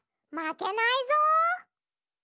まけないぞ！